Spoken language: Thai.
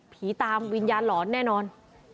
ผีตามวิญญาณหลอนแน่นอน